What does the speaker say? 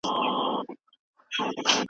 ښه داده چي لږ ولور او مهر واخلي